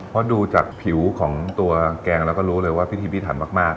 เพราะดูจากผิวของตัวแกงแล้วก็รู้เลยว่าพิธีพิถันมาก